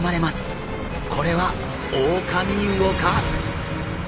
これはオオカミウオか！？